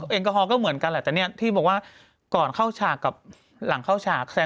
แอลกอฮอลก็เหมือนกันแหละแต่เนี่ยที่บอกว่าก่อนเข้าฉากกับหลังเข้าฉาก